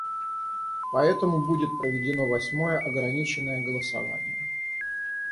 Поэтому будет проведено восьмое ограниченное голосование.